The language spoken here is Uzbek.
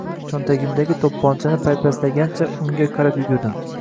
Cho‘ntagimdagi to‘pponchani paypaslagancha unga qarab yugurdim